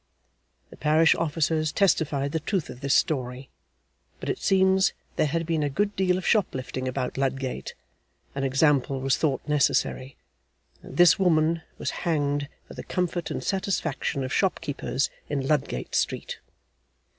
The parish officers testified the truth of this story; but it seems, there had been a good deal of shop lifting about Ludgate; an example was thought necessary; and this woman was hanged for the comfort and satisfaction of shopkeepers in Ludgate Street.